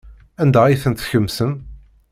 Anda ay tent-tkemsem?